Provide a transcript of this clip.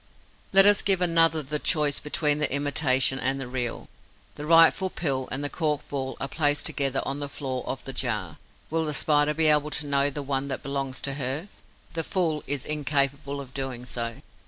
Let us give another the choice between the imitation and the real. The rightful pill and the cork ball are placed together on the floor of the jar. Will the Spider be able to know the one that belongs to her? The fool is incapable of doing so.